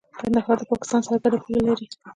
کندهار د پاکستان سره ګډه پوله لري.